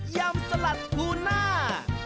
ยำสลัดทูน่า